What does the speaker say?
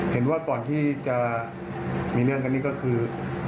เห็นว่าก่อนที่จะมีเรื่องกันนี่ก็คือ